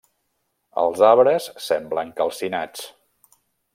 Els arbres semblen calcinats.